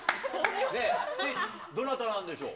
どなたなんでしょう？